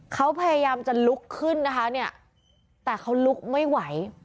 เขาพยายามจะลุกขึ้นนะคะเนี่ยแต่เขาลุกไม่ไหว